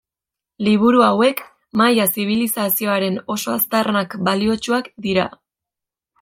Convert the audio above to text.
Liburu hauek maia zibilizazioaren oso aztarnak baliotsuak dira.